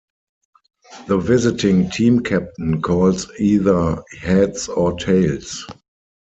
The visiting team captain calls either heads or tails.